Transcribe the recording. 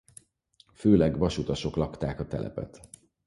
Főleg vasutasok lakták a telepet.